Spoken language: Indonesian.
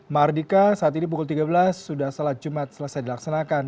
mardika saat ini pukul tiga belas sudah sholat jumat selesai dilaksanakan